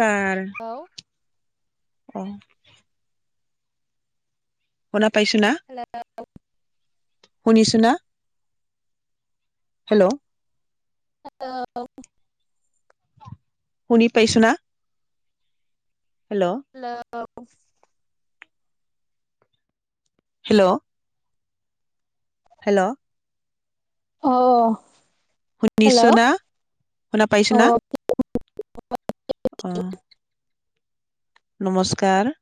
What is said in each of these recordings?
কাৰ? [inaudible] অ'। শুনা পাইছে না? হেল্ল'? শুনিছোঁ না হেল্ল'? হেল্ল? শুনি পাইছো না? হেল্ল'? হেল্ল? হেল্ল'? হেল্ল'? অ', অ'। শুনিছো না, শুনা পাইছো না। অ' অ'। নমস্কাৰ।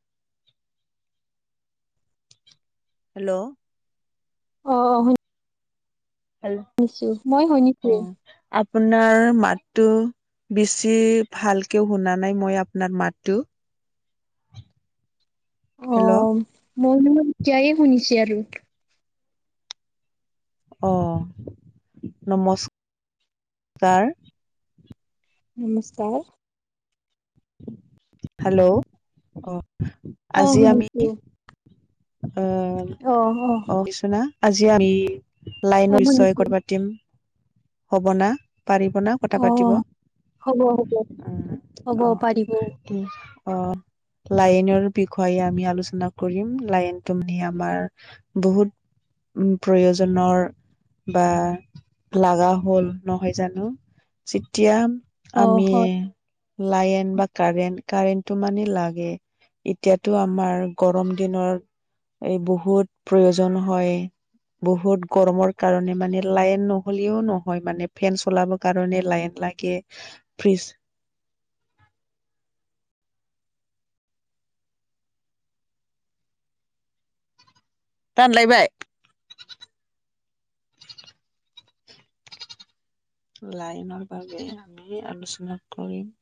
হেল্ল'? অ', অ'। হেল্ল' শুনিছো, মই শুনিছো। অ', আপোনাৰ মাতটো বেছি ভালকে শুনা নাই। মই আপোনাৰ মাতো। অ, হেল্ল' মইনোহ এতিায়ে শুনিছে আৰু। অ, নমস্কাৰ ছাৰ। নমস্কাৰ। হেল্ল' অ, অ' আজি আমি শুনিছো অ, অ' অ' অছুনা আজি আমি অ' লাইনৰচয় ক, শুনিছো পাতিম হ'ব না পাৰিব ন। কথা পাতিব অ' উ, হ'ব হ'ব হ'ব পাৰিব অ', অ'। লায়নৰ বিষয়ে আ-আলোচনা কৰিম লায়ন। তুমি আমাৰ বহুত উ, প্ৰয়োজনৰ বা লাগা হ'ল নহয় জানো যেতিয়া আমি অ' লাইন বা কাৰেণ্ট, কাৰেণ্টটো মানে লাগে। এতিয়াতো আমাৰ গৰম দিনৰ এই বহুত প্ৰয়োজন হয়। বহুত গৰমৰ কাৰণে মানে লাইন নহ'লেও নহয় মানে ফেন চলাব কাৰণে লাইন লাগে, ফ্ৰিজ [inaudible] লাইনৰ বাবে আমি আলোচনা কৰিম।